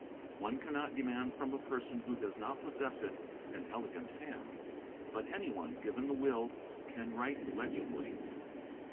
®. One cannot demand from a person who does not 'possess it an elegant hand; but anyone, given the will, can write legibly.